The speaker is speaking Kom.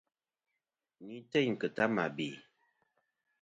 Ni têyn ki ta mà bè.